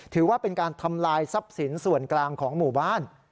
ถือว่าเป็นการทำลายทรัพย์สินส่วนกลางของหมู่บ้าน